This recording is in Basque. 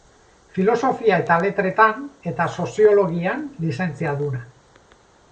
Filosofia eta Letretan eta Soziologian lizentziaduna.